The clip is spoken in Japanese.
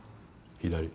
左。